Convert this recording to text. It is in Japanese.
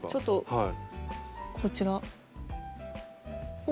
はい。